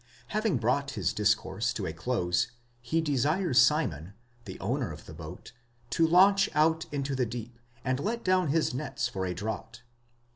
Having brought his discourse to a close, he desires Simon, the owner of the boat, to launch out into the deep, and let down his nets for a draught.